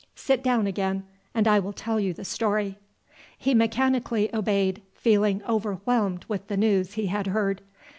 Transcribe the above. Sit down again and I will tell you the story." He mechanically obeyed, feeling overwhelmed with the news he had heard.